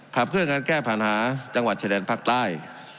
๑ผับเครื่องการแก้ผ่านหาจังหวัดเฉดแดนภาคใต้